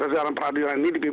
jalan peradilan ini